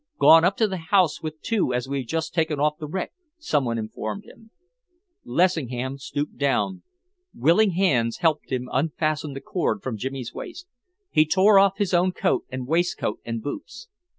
"Gone up to the house with two as we've just taken off the wreck," some one informed him. Lessingham stooped down. Willing hands helped him unfasten the cord from Jimmy's waist. He tore off his own coat and waistcoat and boots.